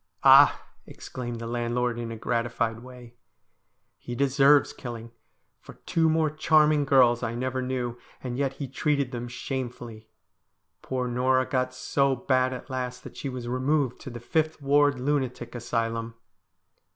' Ah !' exclaimed the landlord, in a gratified way, ' he deserves killing, for two more charming girls I never knew, and yet he treated them shamefully. Poor Norah got so bad at last that she was removed to the Fifth Ward Lunatic Asylum.'